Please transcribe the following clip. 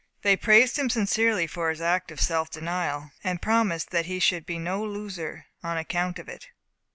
They praised him sincerely for his act of self denial, and promised that he should be no loser on account of it.